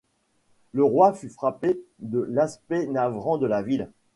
Le roi fut frappé de l'aspect navrant de la ville.